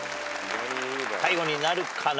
最後になるかな？